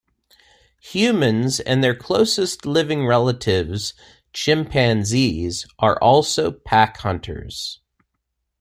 Humans and their closest-living relatives chimpanzees are also pack hunters.